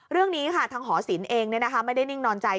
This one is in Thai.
เรื่องนี้ค่ะทางหอสินเองเนี่ยนะคะไม่ได้นิ่งนอนใจ